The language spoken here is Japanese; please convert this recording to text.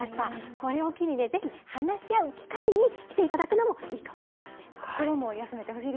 これを機に、ぜひ話し合う機会にしていただくのもいいかもしれません。